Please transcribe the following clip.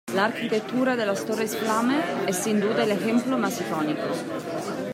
La arquitectura de las Torres Flame es sin duda el ejemplo más icónico.